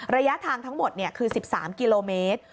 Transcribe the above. ระยะทางทั้งหมดคือ๑๓กิโลเมตร